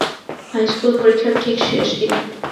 High school পরীক্ষার ঠিক শেষ দিন।